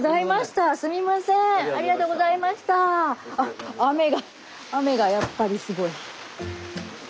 あっ雨が雨がやっぱりすごい。